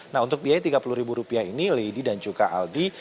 nah untuk biaya rp tiga puluh ini lady dan juga aldi